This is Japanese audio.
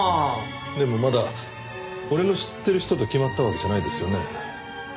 でもまだ俺の知ってる人と決まったわけじゃないですよね？